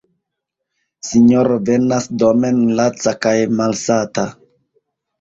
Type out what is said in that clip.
Sinjoro venas domen laca kaj malsata.